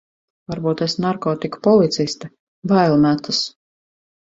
Varbūt esi narkotiku policiste, bail metas.